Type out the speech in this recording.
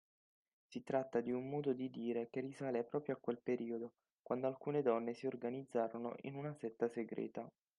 Si tratta di un modo di dire che risale proprio a quel periodo quando alcune donne si organizzarono in una setta segreta